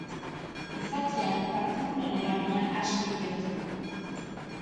Gizakian partikulen eragina asko ikertu da.